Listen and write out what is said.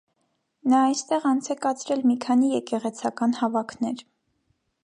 Նա այստեղ անց է կացրել մի քանի եկեղեցական հավաքներ։